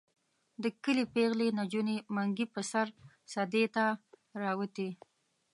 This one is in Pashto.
د کلي پېغلې نجونې منګي په سر سدې ته راوتې.